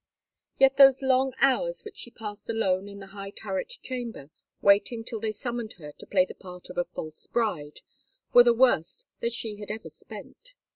Yet those long hours which she passed alone in the high turret chamber, waiting till they summoned her to play the part of a false bride, were the worst that she had ever spent.